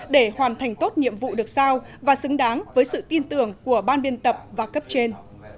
để hoàn thành tốt nhiệm vụ được sao và xứng đáng với sự tin tưởng của ban biên tập và cấp trên